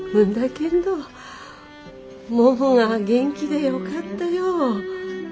けんどももが元気でよかったよう。